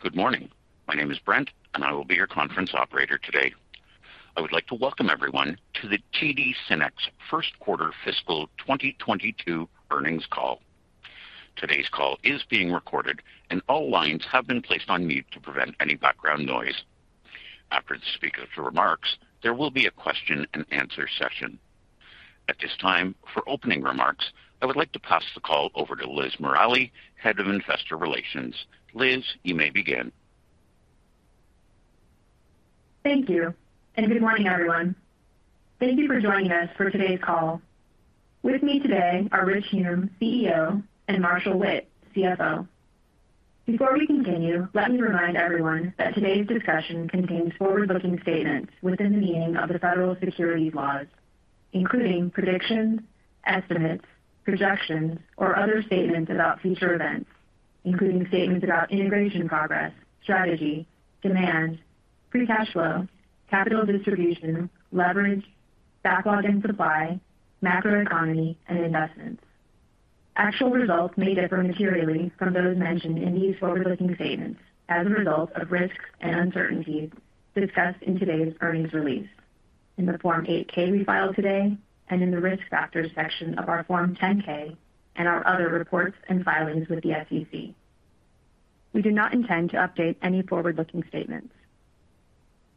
Good morning. My name is Brent, and I will be your conference operator today. I would like to welcome everyone to the TD SYNNEX first quarter fiscal 2022 earnings call. Today's call is being recorded, and all lines have been placed on mute to prevent any background noise. After the speakers' remarks, there will be a question-and-answer session. At this time, for opening remarks, I would like to pass the call over to Liz Morali, Head of Investor Relations. Liz, you may begin. Thank you, and good morning, everyone. Thank you for joining us for today's call. With me today are Rich Hume, CEO, and Marshall Witt, CFO. Before we continue, let me remind everyone that today's discussion contains forward-looking statements within the meaning of the federal securities laws, including predictions, estimates, projections, or other statements about future events, including statements about integration progress, strategy, demand, free cash flow, capital distribution, leverage, backlog and supply, macroeconomy, and investments. Actual results may differ materially from those mentioned in these forward-looking statements as a result of risks and uncertainties discussed in today's earnings release, in the Form 8-K we filed today, and in the Risk Factors section of our Form 10-K and our other reports and filings with the SEC. We do not intend to update any forward-looking statements.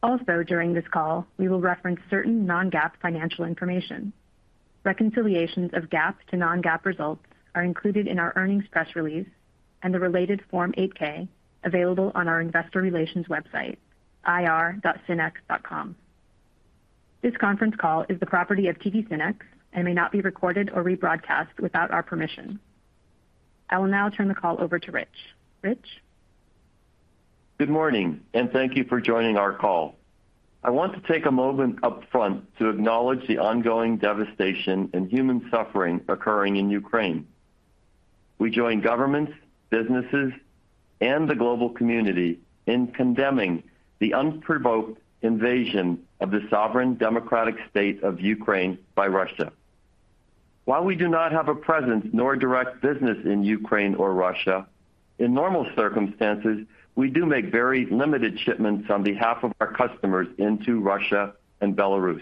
Also during this call, we will reference certain non-GAAP financial information. Reconciliations of GAAP to non-GAAP results are included in our earnings press release and the related Form 8-K available on our investor relations website, ir.synnex.com. This conference call is the property of TD SYNNEX and may not be recorded or rebroadcast without our permission. I will now turn the call over to Rich. Rich? Good morning, and thank you for joining our call. I want to take a moment up front to acknowledge the ongoing devastation and human suffering occurring in Ukraine. We join governments, businesses, and the global community in condemning the unprovoked invasion of the sovereign democratic state of Ukraine by Russia. While we do not have a presence nor direct business in Ukraine or Russia, in normal circumstances, we do make very limited shipments on behalf of our customers into Russia and Belarus.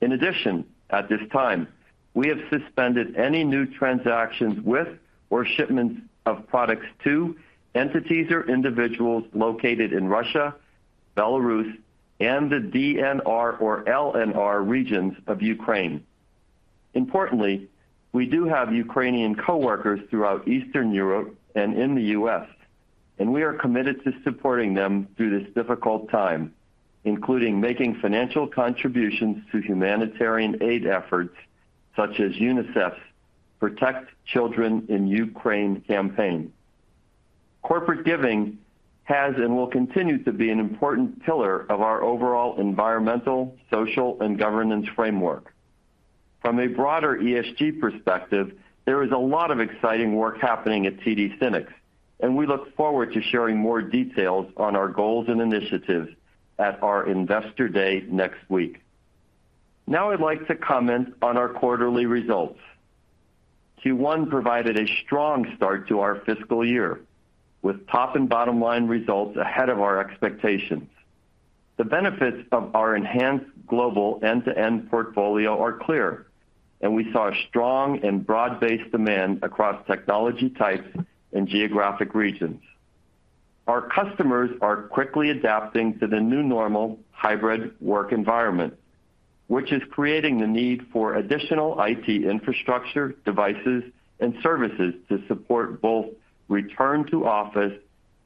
In addition, at this time, we have suspended any new transactions with or shipments of products to entities or individuals located in Russia, Belarus, and the DNR or LNR regions of Ukraine. Importantly, we do have Ukrainian coworkers throughout Eastern Europe and in the U.S., and we are committed to supporting them through this difficult time, including making financial contributions to humanitarian aid efforts, such as UNICEF's Protect Children in Ukraine campaign. Corporate giving has and will continue to be an important pillar of our overall environmental, social, and governance framework. From a broader ESG perspective, there is a lot of exciting work happening at TD SYNNEX, and we look forward to sharing more details on our goals and initiatives at our Investor Day next week. Now I'd like to comment on our quarterly results. Q1 provided a strong start to our fiscal year, with top and bottom-line results ahead of our expectations. The benefits of our enhanced global end-to-end portfolio are clear, and we saw a strong and broad-based demand across technology types and geographic regions. Our customers are quickly adapting to the new normal hybrid work environment, which is creating the need for additional IT infrastructure, devices, and services to support both return to office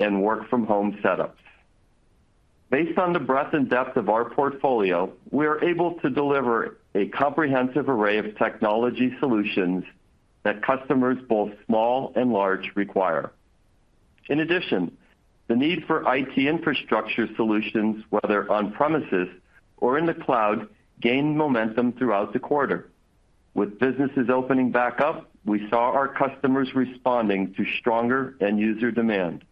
and work-from-home setups. Based on the breadth and depth of our portfolio, we are able to deliver a comprehensive array of technology solutions that customers both small and large require. In addition, the need for IT infrastructure solutions, whether on-premises or in the cloud, gained momentum throughout the quarter. With businesses opening back up, we saw our customers responding to stronger end user demand.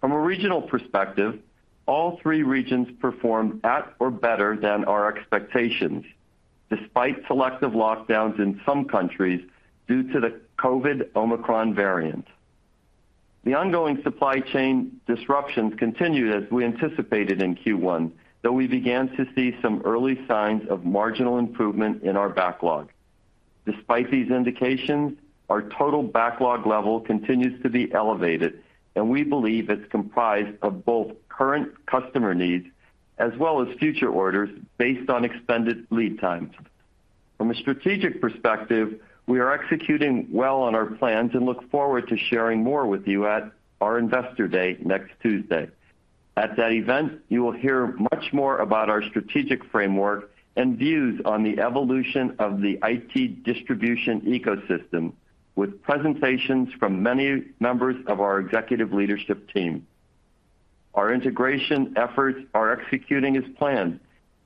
From a regional perspective, all three regions performed at or better than our expectations, despite selective lockdowns in some countries due to the COVID Omicron variant. The ongoing supply chain disruptions continued as we anticipated in Q1, though we began to see some early signs of marginal improvement in our backlog. Despite these indications, our total backlog level continues to be elevated, and we believe it's comprised of both current customer needs as well as future orders based on extended lead times. From a strategic perspective, we are executing well on our plans and look forward to sharing more with you at our Investor Day next Tuesday. At that event, you will hear much more about our strategic framework and views on the evolution of the IT distribution ecosystem, with presentations from many members of our executive leadership team. Our integration efforts are executing as planned,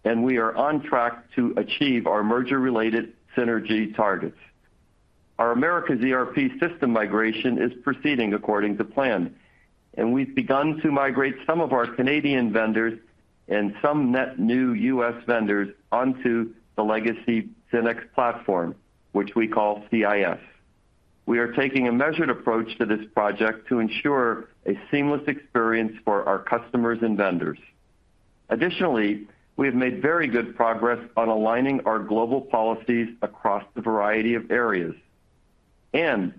and we are on track to achieve our merger-related synergy targets. Our America's ERP system migration is proceeding according to plan, and we've begun to migrate some of our Canadian vendors and some net new U.S. vendors onto the legacy SYNNEX platform, which we call CIS. We are taking a measured approach to this project to ensure a seamless experience for our customers and vendors. Additionally, we have made very good progress on aligning our global policies across the variety of areas.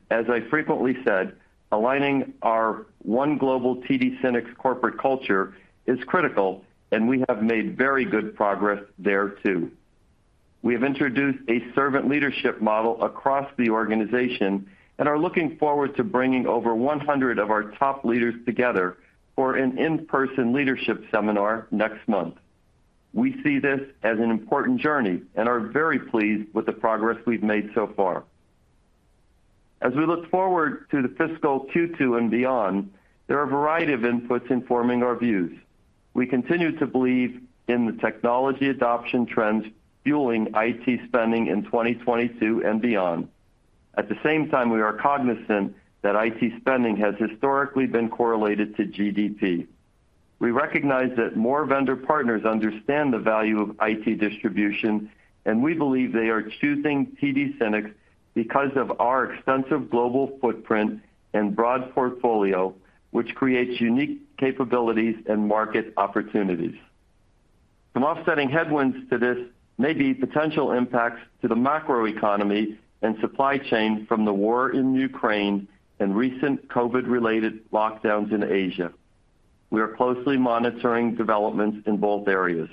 As I frequently said, aligning our one global TD SYNNEX corporate culture is critical, and we have made very good progress there too. We have introduced a servant leadership model across the organization and are looking forward to bringing over 100 of our top leaders together for an in-person leadership seminar next month. We see this as an important journey and are very pleased with the progress we've made so far. As we look forward to the fiscal Q2 and beyond, there are a variety of inputs informing our views. We continue to believe in the technology adoption trends fueling IT spending in 2022 and beyond. At the same time, we are cognizant that IT spending has historically been correlated to GDP. We recognize that more vendor partners understand the value of IT distribution, and we believe they are choosing TD SYNNEX because of our extensive global footprint and broad portfolio, which creates unique capabilities and market opportunities. Some offsetting headwinds to this may be potential impacts to the macroeconomy and supply chain from the war in Ukraine and recent COVID-related lockdowns in Asia. We are closely monitoring developments in both areas.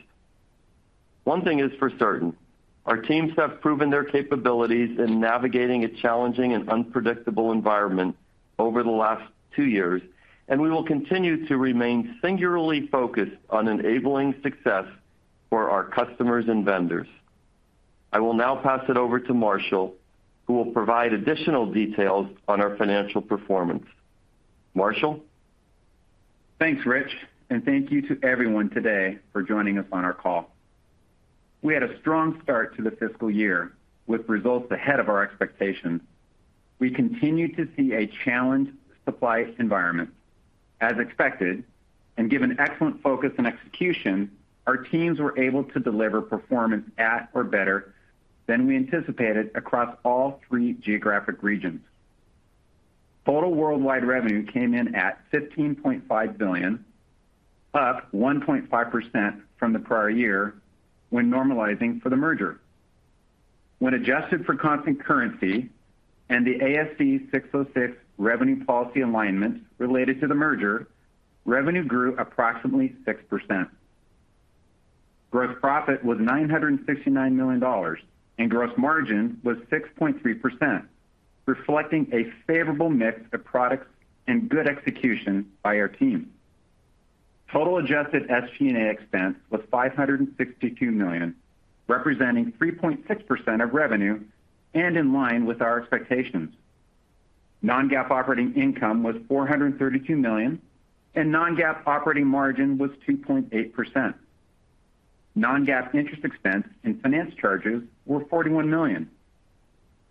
One thing is for certain, our teams have proven their capabilities in navigating a challenging and unpredictable environment over the last two years, and we will continue to remain singularly focused on enabling success for our customers and vendors. I will now pass it over to Marshall, who will provide additional details on our financial performance. Marshall. Thanks, Rich, and thank you to everyone today for joining us on our call. We had a strong start to the fiscal year with results ahead of our expectations. We continued to see a challenged supply environment, as expected, and given excellent focus and execution, our teams were able to deliver performance at or better than we anticipated across all three geographic regions. Total worldwide revenue came in at $15.5 billion, up 1.5% from the prior year when normalizing for the merger. When adjusted for constant currency and the ASC 606 revenue policy alignment related to the merger, revenue grew approximately 6%. Gross profit was $969 million, and gross margin was 6.3%, reflecting a favorable mix of products and good execution by our team. Total adjusted SG&A expense was $562 million, representing 3.6% of revenue and in line with our expectations. Non-GAAP operating income was $432 million, and non-GAAP operating margin was 2.8%. Non-GAAP interest expense and finance charges were $41 million,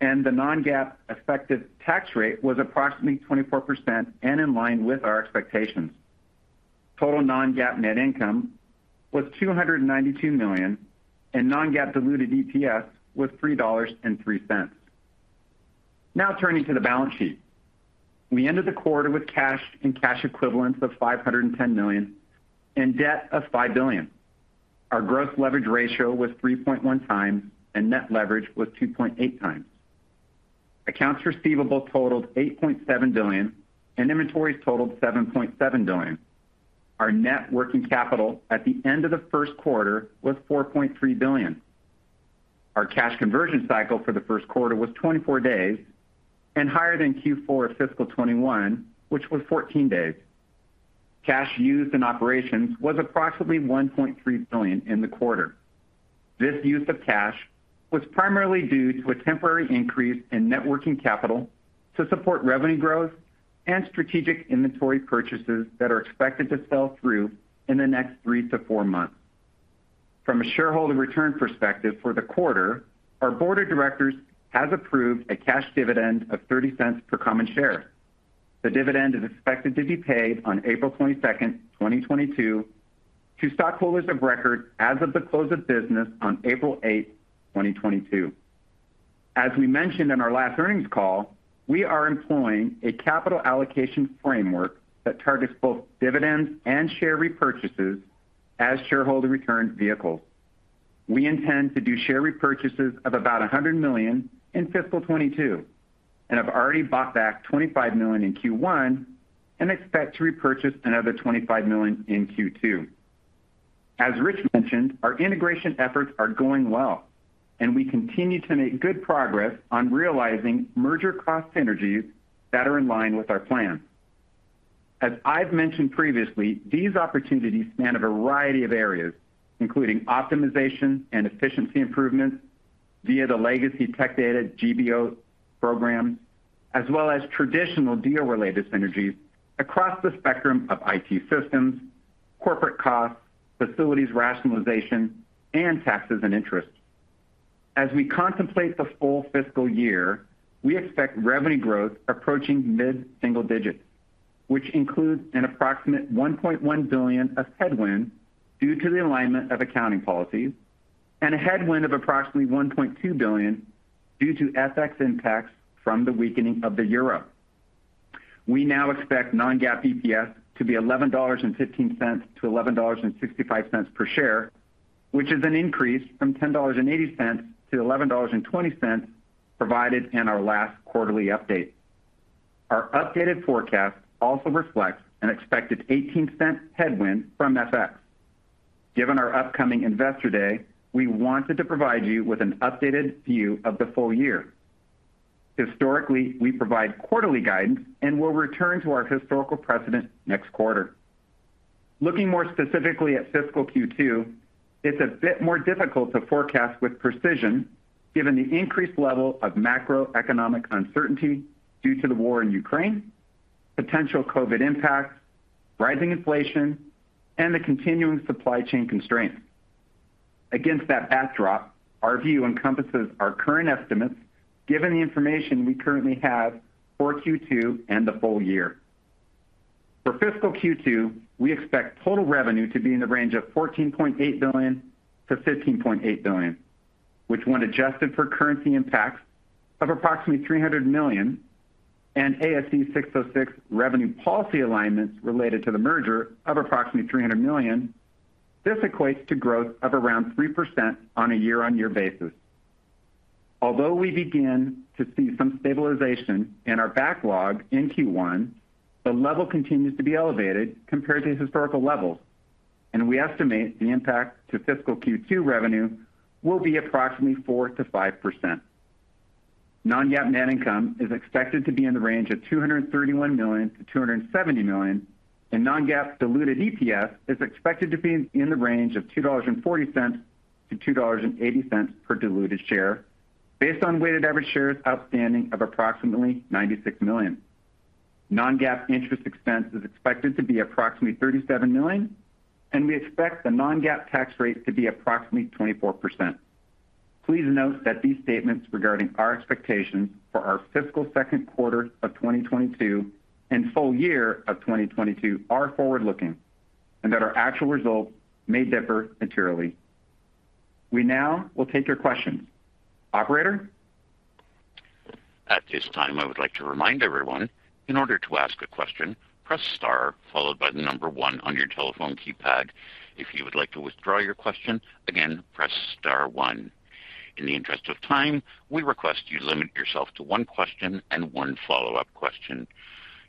and the non-GAAP effective tax rate was approximately 24% and in line with our expectations. Total non-GAAP net income was $292 million, and non-GAAP diluted EPS was $3.03. Now turning to the balance sheet. We ended the quarter with cash and cash equivalents of $510 million and debt of $5 billion. Our gross leverage ratio was 3.1x, and net leverage was 2.8x. Accounts receivable totaled $8.7 billion, and inventories totaled $7.7 billion. Our net working capital at the end of the first quarter was $4.3 billion. Our cash conversion cycle for the first quarter was 24 days and higher than Q4 of fiscal 2021, which was 14 days. Cash used in operations was approximately $1.3 billion in the quarter. This use of cash was primarily due to a temporary increase in net working capital to support revenue growth and strategic inventory purchases that are expected to sell through in the next three months-four months. From a shareholder return perspective for the quarter, our board of directors has approved a cash dividend of $0.30 per common share. The dividend is expected to be paid on April 22nd, 2022 to stockholders of record as of the close of business on April 8th, 2022. As we mentioned in our last earnings call, we are employing a capital allocation framework that targets both dividends and share repurchases as shareholder return vehicles. We intend to do share repurchases of about $100 million in fiscal 2022 and have already bought back $25 million in Q1 and expect to repurchase another $25 million in Q2. As Rich mentioned, our integration efforts are going well, and we continue to make good progress on realizing merger cost synergies that are in line with our plan. As I've mentioned previously, these opportunities span a variety of areas, including optimization and efficiency improvements via the legacy Tech Data GBO program, as well as traditional deal-related synergies across the spectrum of IT systems, corporate costs, facilities rationalization, and taxes and interest. As we contemplate the full fiscal year, we expect revenue growth approaching mid-single digits %. Which includes an approximate $1.1 billion of headwind due to the alignment of accounting policies and a headwind of approximately $1.2 billion due to FX impacts from the weakening of the euro. We now expect non-GAAP EPS to be $11.15-$11.65 per share, which is an increase from $10.80-$11.20 provided in our last quarterly update. Our updated forecast also reflects an expected 18-cent headwind from FX. Given our upcoming Investor Day, we wanted to provide you with an updated view of the full year. Historically, we provide quarterly guidance and will return to our historical precedent next quarter. Looking more specifically at fiscal Q2, it's a bit more difficult to forecast with precision given the increased level of macroeconomic uncertainty due to the war in Ukraine, potential COVID impacts, rising inflation, and the continuing supply chain constraints. Against that backdrop, our view encompasses our current estimates given the information we currently have for Q2 and the full year. For fiscal Q2, we expect total revenue to be in the range of $14.8 billion-$15.8 billion, which, when adjusted for currency impacts of approximately $300 million and ASC 606 revenue policy alignments related to the merger of approximately $300 million, this equates to growth of around 3% on a year-on-year basis. Although we begin to see some stabilization in our backlog in Q1, the level continues to be elevated compared to historical levels, and we estimate the impact to fiscal Q2 revenue will be approximately 4%-5%. Non-GAAP net income is expected to be in the range of $231 million-$270 million, and non-GAAP diluted EPS is expected to be in the range of $2.40-$2.80 per diluted share based on weighted average shares outstanding of approximately 96 million. Non-GAAP interest expense is expected to be approximately $37 million, and we expect the non-GAAP tax rate to be approximately 24%. Please note that these statements regarding our expectations for our fiscal second quarter of 2022 and full year of 2022 are forward-looking and that our actual results may differ materially. We now will take your questions. Operator? At this time, I would like to remind everyone, in order to ask a question, press star followed by the number one on your telephone keypad. If you would like to withdraw your question, again, press star one. In the interest of time, we request you limit yourself to one question and one follow-up question.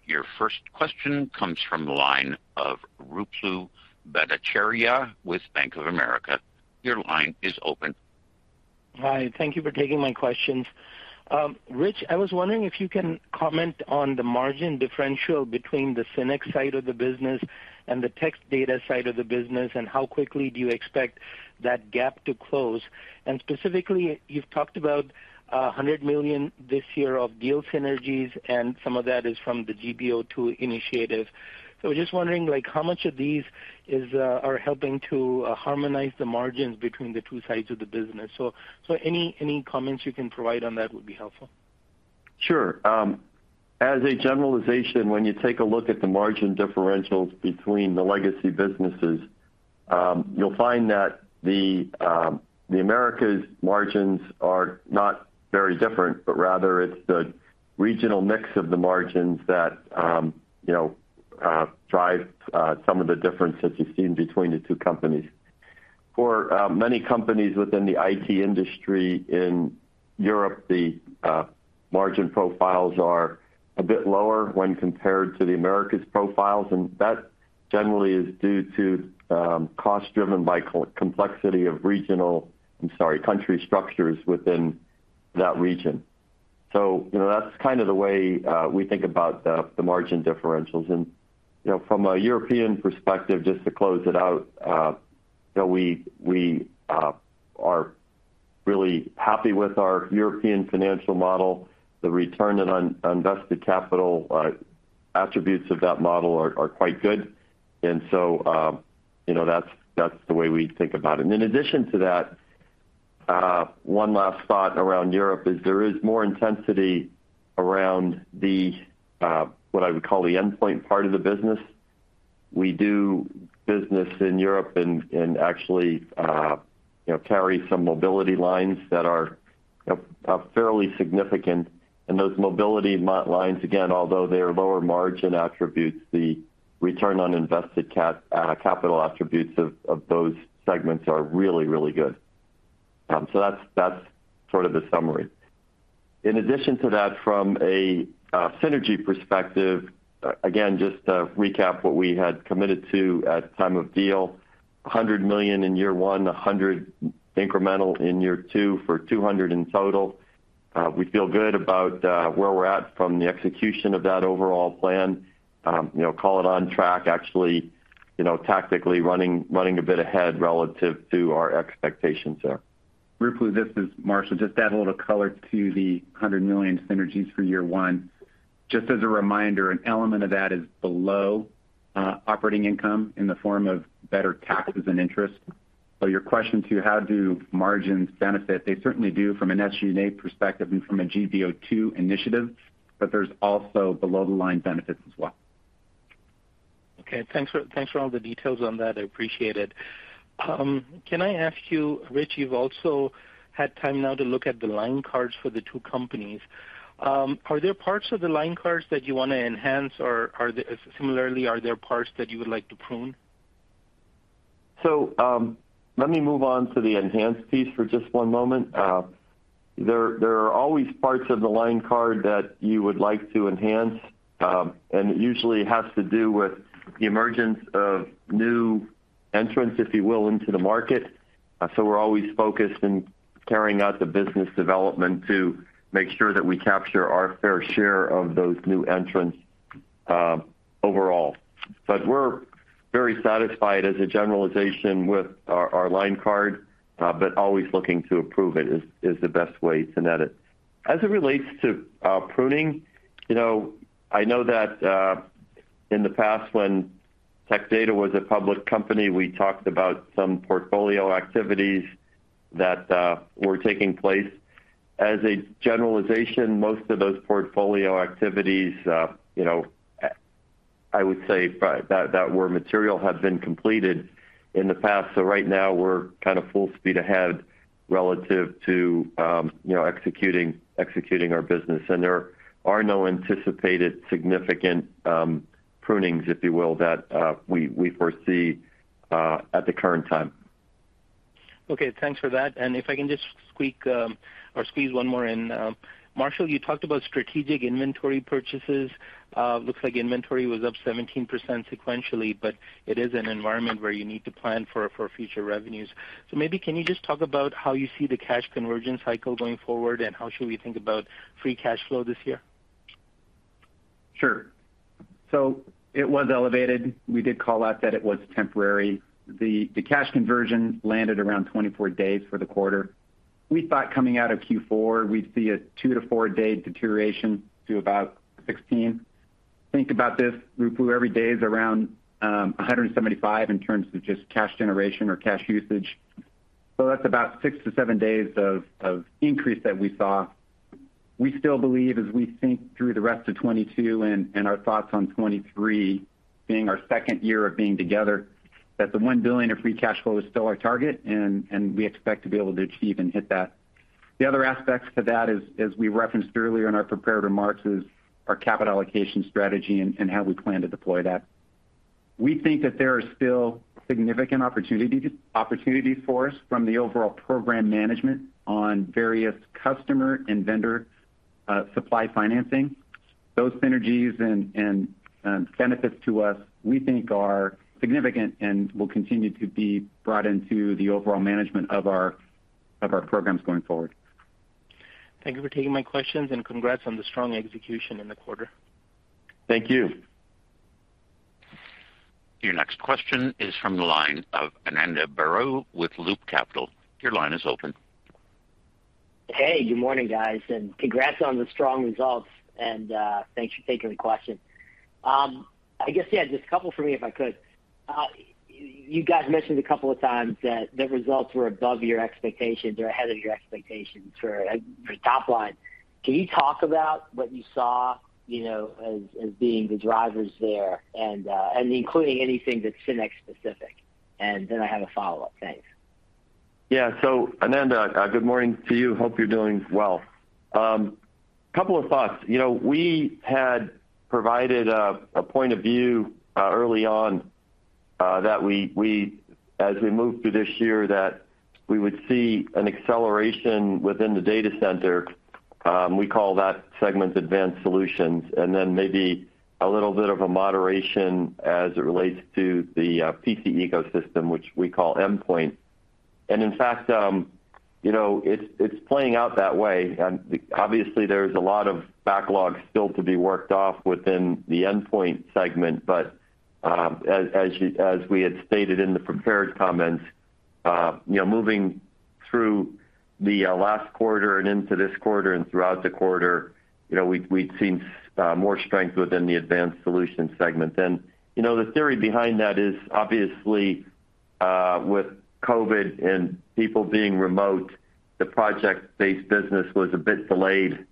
Your first question comes from the line of Ruplu Bhattacharya with Bank of America. Your line is open. Hi, thank you for taking my questions. Rich, I was wondering if you can comment on the margin differential between the SYNNEX side of the business and the Tech Data side of the business, and how quickly do you expect that gap to close? Specifically, you've talked about $100 million this year of deal synergies, and some of that is from the GBO2 initiative. Just wondering, like, how much of these are helping to harmonize the margins between the two sides of the business. Any comments you can provide on that would be helpful. Sure. As a generalization, when you take a look at the margin differentials between the legacy businesses, you'll find that the Americas' margins are not very different, but rather it's the regional mix of the margins that, you know, drive some of the differences you've seen between the two companies. For many companies within the IT industry in Europe, the margin profiles are a bit lower when compared to the Americas' profiles, and that generally is due to cost driven by complexity of country structures within that region. So, you know, that's kind of the way we think about the margin differentials. You know, from a European perspective, just to close it out, you know, we are really happy with our European financial model. The return on invested capital attributes of that model are quite good. You know, that's the way we think about it. In addition to that, one last thought around Europe is there is more intensity around the what I would call the endpoint part of the business. We do business in Europe and actually you know carry some mobility lines that are you know fairly significant. Those mobility lines, again, although they are lower margin attributes, the return on invested capital attributes of those segments are really, really good. That's sort of the summary. In addition to that, from a synergy perspective, again, just to recap what we had committed to at time of deal, $100 million in year one, $100 incremental in year two for $200 in total. We feel good about where we're at from the execution of that overall plan. You know, call it on track, actually, you know, tactically running a bit ahead relative to our expectations there. Ruplu, this is Marshall. Just to add a little color to the $100 million synergies for year one. Just as a reminder, an element of that is below. Operating income in the form of better taxes and interest. Your question as to how do margins benefit, they certainly do from an SG&A perspective and from a GBO2 initiative, but there's also below-the-line benefits as well. Okay. Thanks for all the details on that. I appreciate it. Can I ask you, Rich, you've also had time now to look at the line cards for the two companies. Are there parts of the line cards that you wanna enhance or, similarly, are there parts that you would like to prune? Let me move on to the enhanced piece for just one moment. There are always parts of the line card that you would like to enhance, and it usually has to do with the emergence of new entrants, if you will, into the market. We're always focused on carrying out the business development to make sure that we capture our fair share of those new entrants, overall. We're very satisfied as a generalization with our line card, but always looking to improve it is the best way to put it. As it relates to pruning, you know, I know that in the past when Tech Data was a public company, we talked about some portfolio activities that were taking place. As a generalization, most of those portfolio activities, you know, I would say that were material have been completed in the past. Right now we're kind of full speed ahead relative to, you know, executing our business. There are no anticipated significant prunings, if you will, that we foresee at the current time. Okay. Thanks for that. If I can just squeak or squeeze one more in. Marshall, you talked about strategic inventory purchases. Looks like inventory was up 17% sequentially, but it is an environment where you need to plan for future revenues. Maybe can you just talk about how you see the cash conversion cycle going forward, and how should we think about free cash flow this year? Sure. It was elevated. We did call out that it was temporary. The cash conversion landed around 24 days for the quarter. We thought coming out of Q4, we'd see a two-four-day deterioration to about 16. Think about this, Ruplu, every day is around 175 in terms of just cash generation or cash usage. That's about six days-seven days of increase that we saw. We still believe as we think through the rest of 2022 and our thoughts on 2023 being our second year of being together, that the $1 billion of free cash flow is still our target, and we expect to be able to achieve and hit that. The other aspects to that is, as we referenced earlier in our prepared remarks, is our capital allocation strategy and how we plan to deploy that. We think that there are still significant opportunities for us from the overall program management on various customer and vendor supply financing. Those synergies and benefits to us, we think are significant and will continue to be brought into the overall management of our programs going forward. Thank you for taking my questions, and congrats on the strong execution in the quarter. Thank you. Your next question is from the line of Ananda Baruah with Loop Capital. Your line is open. Hey, good morning, guys, and congrats on the strong results. Thanks for taking the question. I guess, yeah, just a couple for me, if I could. You guys mentioned a couple of times that the results were above your expectations or ahead of your expectations for top line. Can you talk about what you saw, you know, as being the drivers there and including anything that's SYNNEX specific? Then I have a follow-up. Thanks. Yeah. Ananda, good morning to you. Hope you're doing well. Couple of thoughts. You know, we had provided a point of view early on that we as we moved through this year would see an acceleration within the data center. We call that segment advanced solutions, and then maybe a little bit of a moderation as it relates to the PC ecosystem, which we call endpoint. In fact, you know, it's playing out that way. Obviously, there's a lot of backlog still to be worked off within the endpoint segment. But as we had stated in the prepared comments, you know, moving through the last quarter and into this quarter and throughout the quarter, you know, we'd seen more strength within the advanced solutions segment. You know, the theory behind that is obviously with COVID and people being remote, the project-based business was a bit delayed.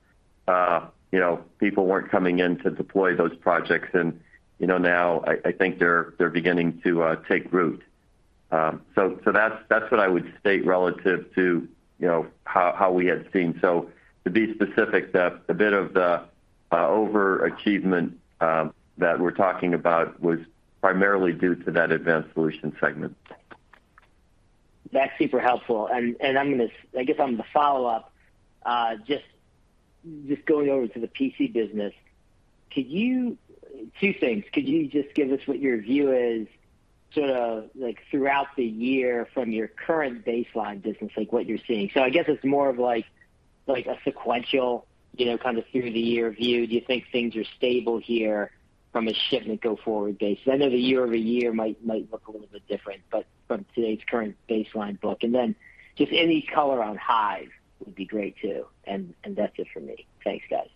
You know, people weren't coming in to deploy those projects and, you know, now I think they're beginning to take root. So that's what I would state relative to, you know, how we had seen. To be specific, the bit of the overachievement that we're talking about was primarily due to that advanced solution segment. That's super helpful. I'm gonna, I guess on the follow-up, just going over to the PC business, could you. Two things. Could you just give us what your view is sorta like throughout the year from your current baseline business, like what you're seeing? I guess it's more of like a sequential, you know, kind of through the year view. Do you think things are stable here from a shipment go forward base? I know the year-over-year might look a little bit different, but from today's current baseline book. Then just any color on Hyve would be great too. That's it for me. Thanks, guys.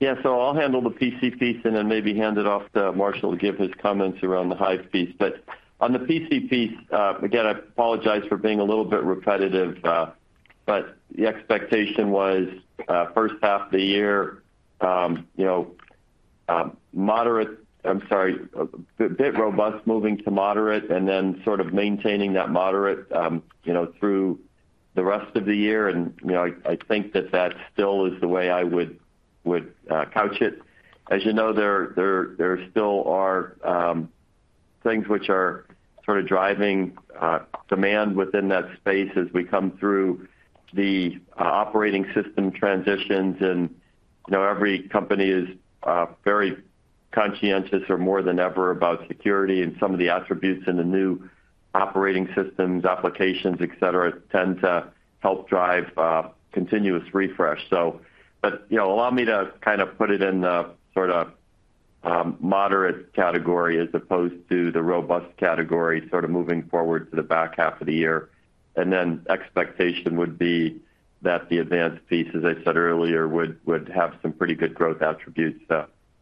Yeah, I'll handle the PC piece and then maybe hand it off to Marshall to give his comments around the Hyve piece. On the PC piece, again, I apologize for being a little bit repetitive, but the expectation was, first half of the year, you know, a bit robust moving to moderate and then sort of maintaining that moderate, you know, through the rest of the year. You know, I think that still is the way I would couch it. As you know, there still are things which are sort of driving demand within that space as we come through the operating system transitions. You know, every company is very conscientious or more than ever about security, and some of the attributes in the new operating systems, applications, et cetera, tend to help drive continuous refresh. You know, allow me to kind of put it in the sort of moderate category as opposed to the robust category, sort of moving forward to the back half of the year. Then expectation would be that the advanced piece, as I said earlier, would have some pretty good growth attributes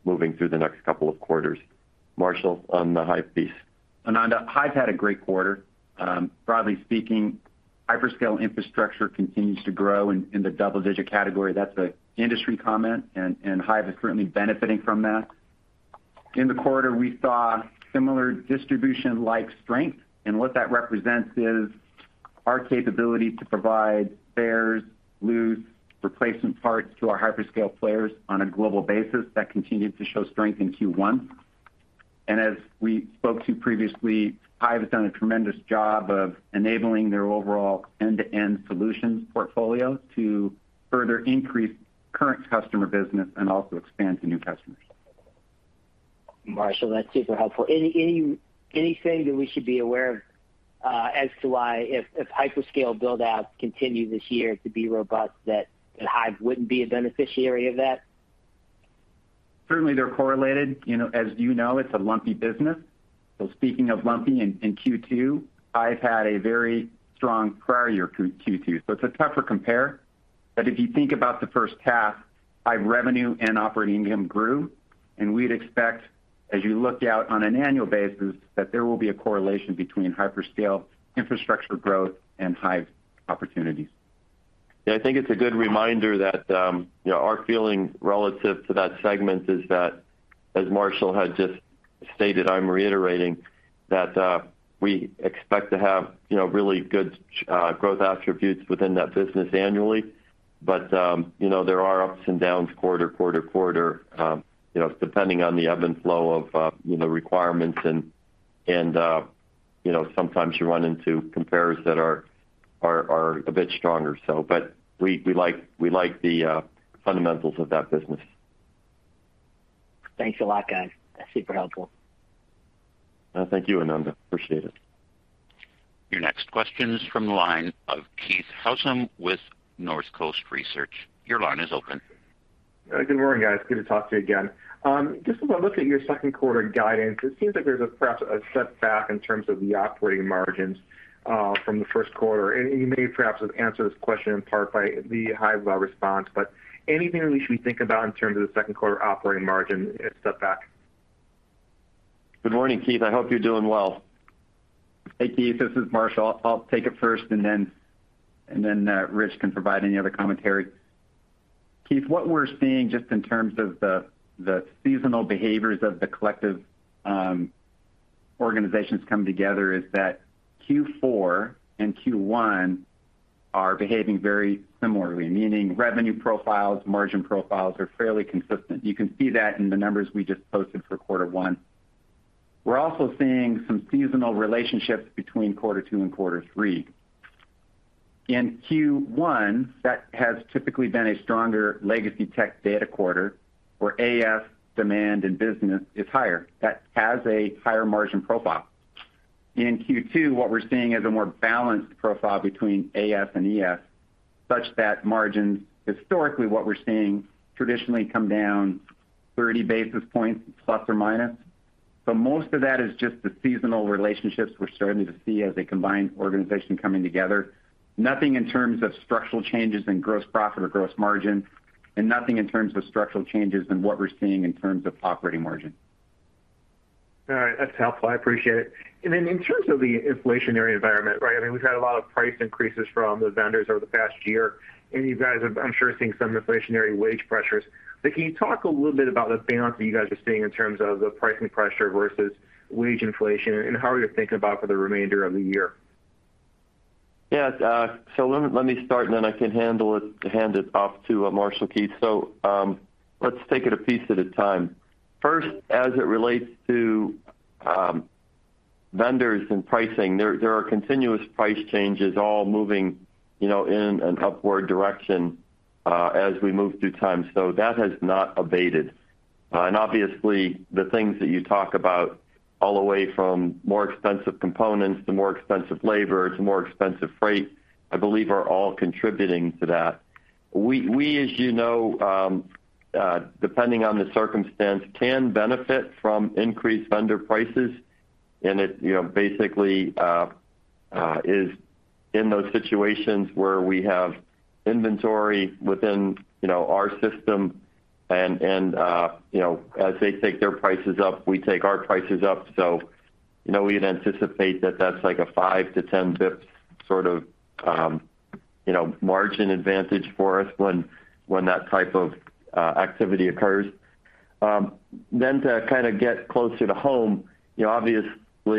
moving through the next couple of quarters. Marshall, on the Hyve piece. Ananda, Hyve had a great quarter. Broadly speaking, hyperscale infrastructure continues to grow in the double digit category. That's an industry comment, and Hyve is certainly benefiting from that. In the quarter, we saw similar distribution-like strength, and what that represents is our capability to provide spares, loose replacement parts to our hyperscale players on a global basis that continued to show strength in Q1. Hyve has done a tremendous job of enabling their overall end-to-end solutions portfolio to further increase current customer business and also expand to new customers. Marshall, that's super helpful. Anything that we should be aware of as to why if hyperscale build-outs continue this year to be robust that Hyve wouldn't be a beneficiary of that? Certainly they're correlated. You know, as you know, it's a lumpy business. Speaking of lumpy, in Q2, Hyve had a very strong prior year to Q2, so it's a tougher compare. If you think about the first half, Hyve revenue and operating income grew, and we'd expect, as you look out on an annual basis, that there will be a correlation between hyperscale infrastructure growth and Hyve opportunities. Yeah, I think it's a good reminder that you know, our feeling relative to that segment is that, as Marshall had just stated, I'm reiterating that we expect to have you know, really good growth attributes within that business annually. You know, there are ups and downs quarter to quarter you know, depending on the ebb and flow of requirements and you know, sometimes you run into compares that are a bit stronger. We like the fundamentals of that business. Thanks a lot, guys. That's super helpful. Thank you, Ananda. Appreciate it. Your next question is from the line of Keith Housum with Northcoast Research. Your line is open. Good morning, guys. Good to talk to you again. Just as I look at your second quarter guidance, it seems like there's perhaps a setback in terms of the operating margins from the first quarter. You may perhaps have answered this question in part by the Hyve response. Anything that we should think about in terms of the second quarter operating margin setback? Good morning, Keith. I hope you're doing well. Hey, Keith, this is Marshall. I'll take it first, and then Rich can provide any other commentary. Keith, what we're seeing just in terms of the seasonal behaviors of the collective organizations come together is that Q4 and Q1 are behaving very similarly, meaning revenue profiles, margin profiles are fairly consistent. You can see that in the numbers we just posted for quarter one. We're also seeing some seasonal relationships between quarter two and quarter three. In Q1, that has typically been a stronger legacy Tech Data quarter where AS demand and business is higher. That has a higher margin profile. In Q2, what we're seeing is a more balanced profile between AS and ES, such that margins, historically what we're seeing traditionally come down 30 basis points, plus or minus. Most of that is just the seasonal relationships we're starting to see as a combined organization coming together. Nothing in terms of structural changes in gross profit or gross margin, and nothing in terms of structural changes in what we're seeing in terms of operating margin. All right. That's helpful. I appreciate it. In terms of the inflationary environment, right, I mean, we've had a lot of price increases from the vendors over the past year, and you guys have, I'm sure, seen some inflationary wage pressures. Can you talk a little bit about the balance that you guys are seeing in terms of the pricing pressure versus wage inflation and how you're thinking about for the remainder of the year? Yeah. Let me start, and then I can hand it off to Marshall, Keith. Let's take it a piece at a time. First, as it relates to vendors and pricing, there are continuous price changes all moving, you know, in an upward direction as we move through time. That has not abated. And obviously the things that you talk about all the way from more expensive components to more expensive labor to more expensive freight, I believe are all contributing to that. We, as you know, depending on the circumstance, can benefit from increased vendor prices, and it, you know, basically is in those situations where we have inventory within, you know, our system and you know, as they take their prices up, we take our prices up. You know, we'd anticipate that that's like a 5 basis points-10 basis points sort of, you know, margin advantage for us when that type of activity occurs. To kind of get closer to home, you know, obviously, the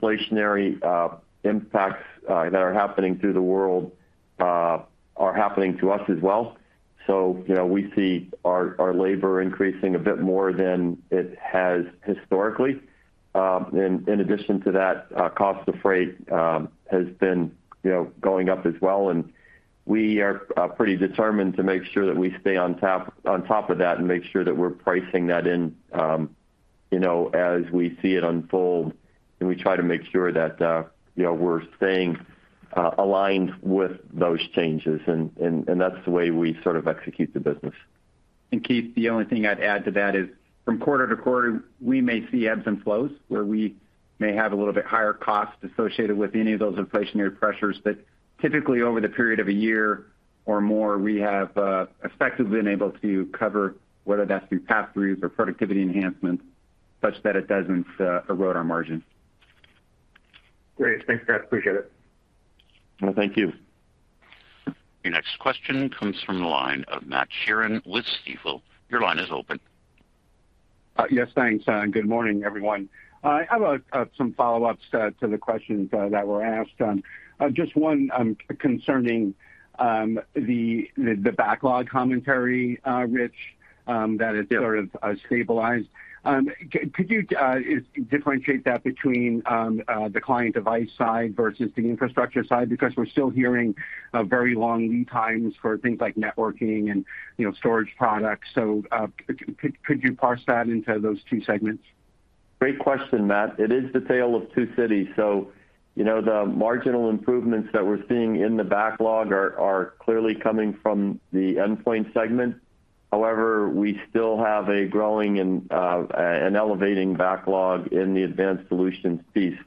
inflationary impacts that are happening through the world are happening to us as well. You know, we see our labor increasing a bit more than it has historically. In addition to that, cost of freight has been, you know, going up as well, and we are pretty determined to make sure that we stay on top of that and make sure that we're pricing that in, you know, as we see it unfold, and we try to make sure that, you know, we're staying aligned with those changes. That's the way we sort of execute the business. Keith, the only thing I'd add to that is from quarter to quarter, we may see ebbs and flows where we may have a little bit higher cost associated with any of those inflationary pressures. Typically, over the period of a year or more, we have effectively been able to cover whether that's through pass-throughs or productivity enhancements such that it doesn't erode our margin. Great. Thanks, guys. Appreciate it. No, thank you. Your next question comes from the line of Matt Sheerin with Stifel. Your line is open. Yes, thanks, and good morning, everyone. I have some follow-ups to the questions that were asked. Just one concerning the backlog commentary, Rich, that has- Sort of stabilized. Could you differentiate that between the client device side versus the infrastructure side? Because we're still hearing very long lead times for things like networking and, you know, storage products. Could you parse that into those two segments? Great question, Matt. It is the tale of two cities. You know, the marginal improvements that we're seeing in the backlog are clearly coming from the endpoint segment. However, we still have a growing and an elevating backlog in the advanced solutions piece.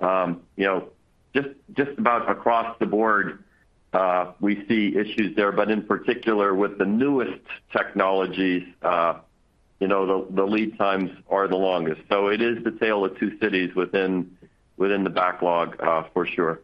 You know, just about across the board, we see issues there, but in particular with the newest technologies, the lead times are the longest. It is the tale of two cities within the backlog, for sure.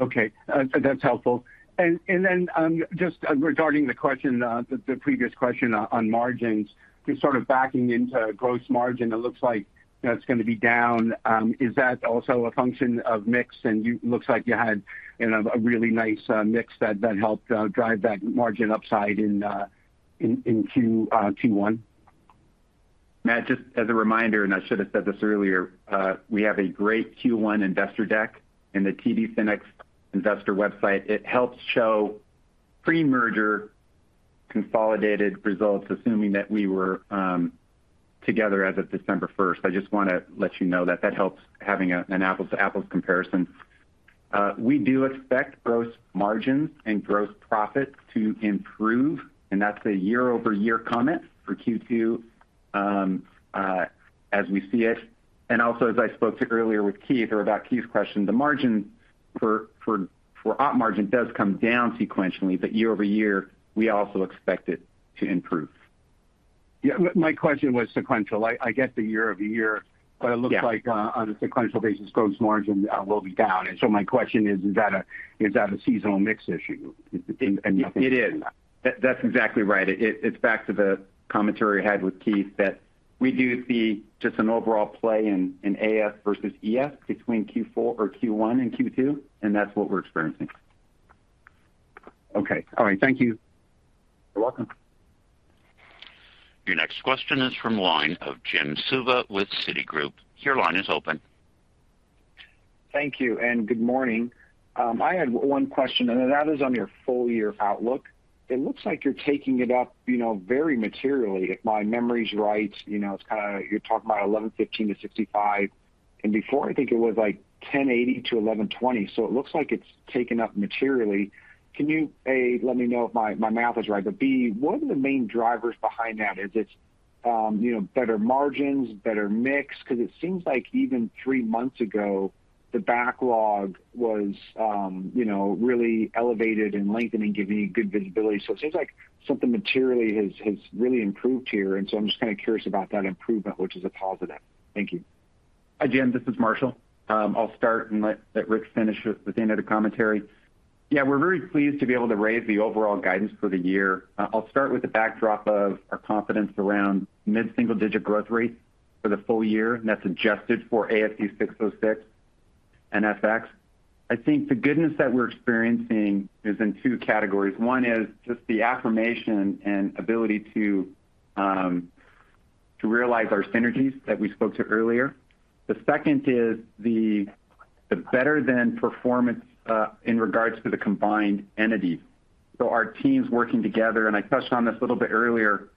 Okay. That's helpful. Just regarding the previous question on margins, just sort of backing into gross margin, it looks like, you know, it's gonna be down. Is that also a function of mix? Looks like you had, you know, a really nice mix that helped drive that margin upside in Q1. Matt, just as a reminder, and I should have said this earlier, we have a great Q1 investor deck in the TD SYNNEX investor website. It helps show pre-merger consolidated results, assuming that we were together as of December first. I just want to let you know that that helps having an apples-to-apples comparison. We do expect gross margins and gross profits to improve, and that's a year-over-year comment for Q2, as we see it. Also, as I spoke to earlier with Keith or about Keith's question, the margin for op margin does come down sequentially, but year over year, we also expect it to improve. Yeah. My question was sequential. I get the year-over-year Yeah. it looks like on a sequential basis, gross margin will be down. My question is that a seasonal mix issue? Is it It is. That's exactly right. It's back to the commentary I had with Keith that we do see just an overall play in AS versus ES between Q4 or Q1 and Q2, and that's what we're experiencing. Okay. All right. Thank you. You're welcome. Your next question is from the line of Jim Suva with Citigroup. Your line is open. Thank you, and good morning. I had one question, and that is on your full year outlook. It looks like you're taking it up, you know, very materially. If my memory's right, you know, it's kinda you're talking about 11.15 - 11.65, and before I think it was like 10.80 - 11.20. It looks like it's taken up materially. Can you, A, let me know if my math is right, but B, what are the main drivers behind that? Is it, you know, better margins, better mix? 'Cause it seems like even three months ago, the backlog was, you know, really elevated and lengthening, giving you good visibility. It seems like something materially has really improved here, and so I'm just kinda curious about that improvement, which is a positive. Thank you. Hi, Jim. This is Marshall. I'll start and let Rich finish with the end of the commentary. Yeah. We're very pleased to be able to raise the overall guidance for the year. I'll start with the backdrop of our confidence around mid-single-digit growth rate for the full year, and that's adjusted for ASC 606 and FX. I think the goodness that we're experiencing is in two categories. One is just the affirmation and ability to realize our synergies that we spoke to earlier. The second is the better-than-expected performance in regards to the combined entity. Our teams working together, and I touched on this a little bit earlier,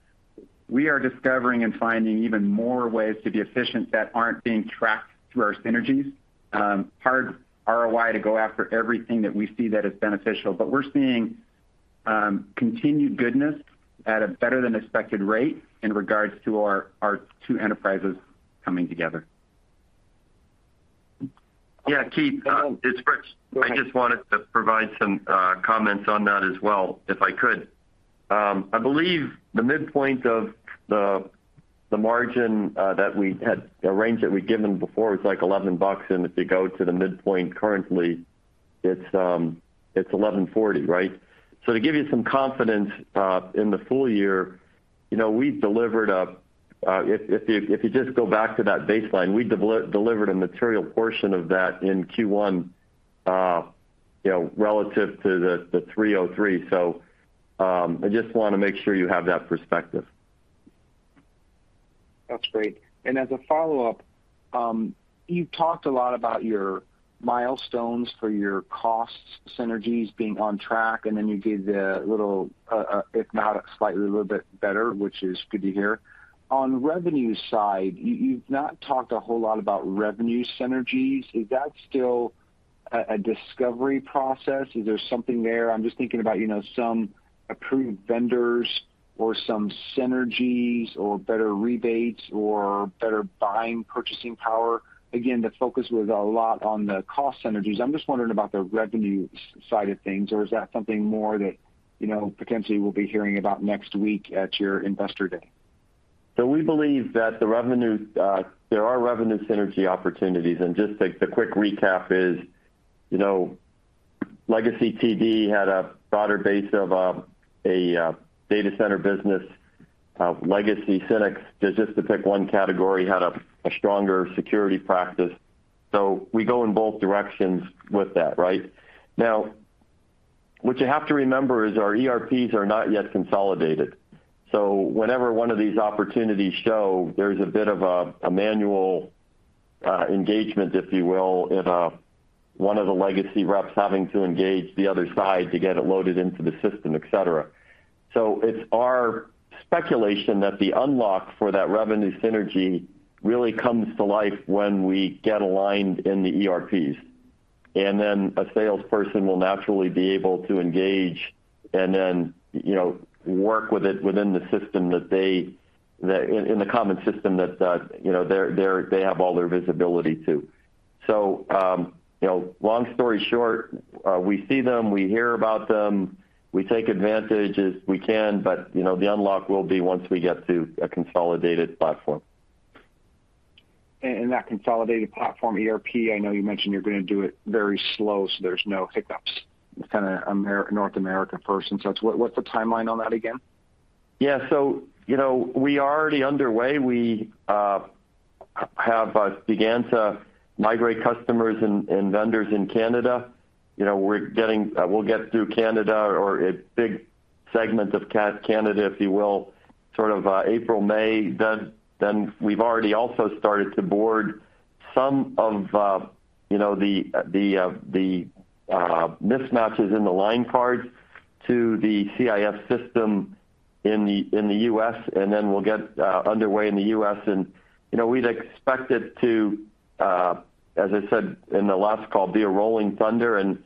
we are discovering and finding even more ways to be efficient that aren't being tracked through our synergies. Hard ROI to go after everything that we see that is beneficial, but we're seeing Continued goodness at a better than expected rate in regards to our two enterprises coming together. Yeah, Keith, it's Rich. Go ahead. I just wanted to provide some comments on that as well, if I could. I believe the midpoint of the margin that we had. The range that we'd given before was like $11, and if you go to the midpoint currently, it's $11.40, right? To give you some confidence in the full year, you know, if you just go back to that baseline, we delivered a material portion of that in Q1, you know, relative to the $303. I just wanna make sure you have that perspective. That's great. As a follow-up, you talked a lot about your milestones for your cost synergies being on track, and then you gave the little, if not slightly, a little bit better, which is good to hear. On the revenue side, you've not talked a whole lot about revenue synergies. Is that still a discovery process? Is there something there? I'm just thinking about, you know, some approved vendors or some synergies or better rebates or better buying, purchasing power. Again, the focus was a lot on the cost synergies. I'm just wondering about the revenue side of things, or is that something more that, you know, potentially we'll be hearing about next week at your Investor Day? We believe that the revenue, there are revenue synergy opportunities. Just like the quick recap is, Legacy TD had a broader base of data center business. Legacy SYNNEX, just to pick one category, had a stronger security practice. We go in both directions with that, right? Now, what you have to remember is our ERPs are not yet consolidated. Whenever one of these opportunities show, there's a bit of a manual engagement, if you will, in one of the legacy reps having to engage the other side to get it loaded into the system, et cetera. It's our speculation that the unlock for that revenue synergy really comes to life when we get aligned in the ERPs. A salesperson will naturally be able to engage and then, you know, work with it within the system that they in the common system that you know their they have all their visibility to. You know, long story short, we see them, we hear about them, we take advantage as we can, but, you know, the unlock will be once we get to a consolidated platform. That consolidated platform ERP, I know you mentioned you're gonna do it very slow, so there's no hiccups. It's kinda North America first. What's the timeline on that again? Yeah. You know, we are already underway. We have begun to migrate customers and vendors in Canada. You know, we'll get through Canada or a big segment of Canada, if you will, sort of, April, May. We've already also started to onboard some of you know the mismatches in the line cards to the CIS system in the U.S., and then we'll get underway in the U.S. You know, we'd expect it to, as I said in the last call, be a rolling thunder. You know,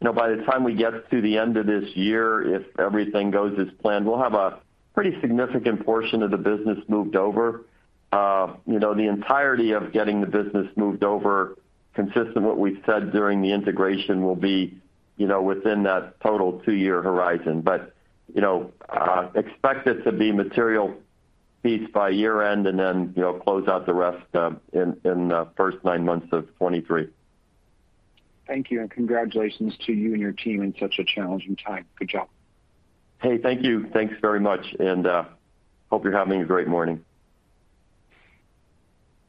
by the time we get to the end of this year, if everything goes as planned, we'll have a pretty significant portion of the business moved over. You know, the entirety of getting the business moved over consists of what we've said during the integration will be, you know, within that total two-year horizon. You know, expect it to be material piece by year-end and then, you know, close out the rest, in the first nine months of 2023. Thank you, and congratulations to you and your team in such a challenging time. Good job. Hey, thank you. Thanks very much, and hope you're having a great morning.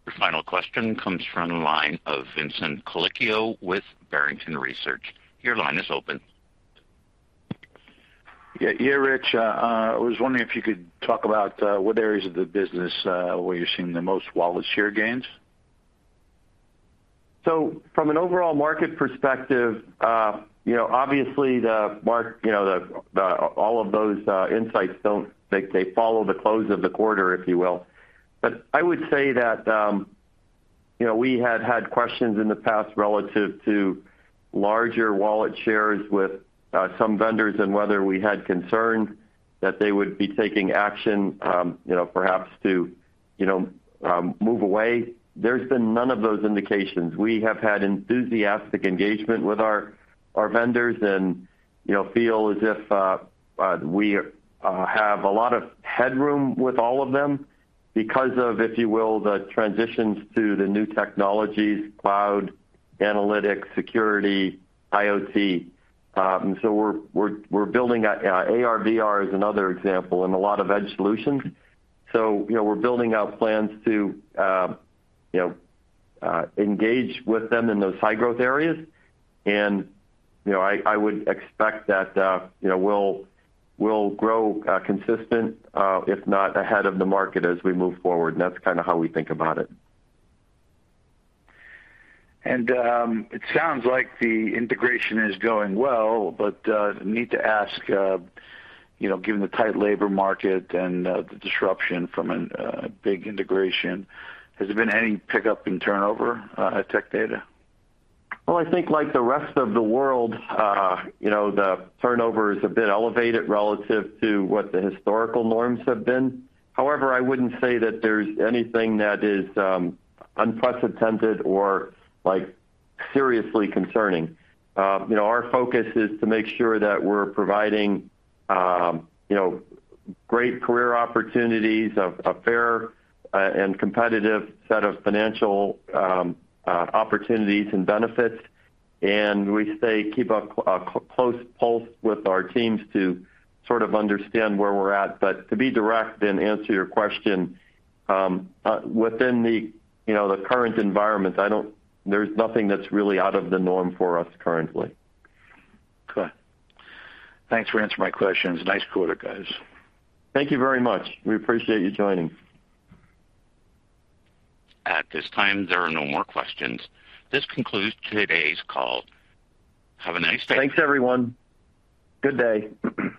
Your final question comes from the line of Vincent Colicchio with Barrington Research. Your line is open. Yeah, Rich, I was wondering if you could talk about what areas of the business where you're seeing the most wallet share gains? From an overall market perspective, you know, obviously all of those insights follow the close of the quarter, if you will. I would say that you know we had had questions in the past relative to larger wallet shares with some vendors and whether we had concerns that they would be taking action you know perhaps to you know move away. There's been none of those indications. We have had enthusiastic engagement with our vendors and you know feel as if we have a lot of headroom with all of them because of, if you will, the transitions to the new technologies, cloud, analytics, security, IoT. ARVR is another example and a lot of edge solutions. you know, we're building out plans to you know, you know, engage with them in those high-growth areas. you know, I would expect that you know, we'll grow consistent if not ahead of the market as we move forward, and that's kinda how we think about it. It sounds like the integration is going well, but I need to ask, you know, given the tight labor market and the disruption from a big integration, has there been any pickup in turnover at Tech Data? Well, I think like the rest of the world, you know, the turnover is a bit elevated relative to what the historical norms have been. However, I wouldn't say that there's anything that is unprecedented or, like, seriously concerning. You know, our focus is to make sure that we're providing, you know, great career opportunities, a fair and competitive set of financial opportunities and benefits. We keep a close pulse with our teams to sort of understand where we're at. To be direct and answer your question, within the, you know, the current environment, there's nothing that's really out of the norm for us currently. Okay. Thanks for answering my questions. Nice quarter, guys. Thank you very much. We appreciate you joining. At this time, there are no more questions. This concludes today's call. Have a nice day. Thanks, everyone. Good day.